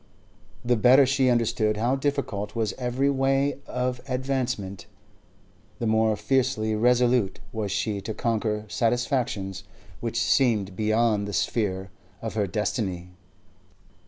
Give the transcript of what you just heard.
The better she understood how difficult was every way of advancement, the more fiercely resolute was she to conquer satisfactions which seemed beyond the sphere of her destiny.